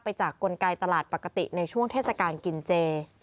จากกลไกตลาดปกติในช่วงเทศกาลกินเจ